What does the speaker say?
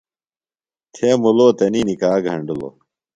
تھے مُلو تنی نِکاح گھنڈِلوۡ۔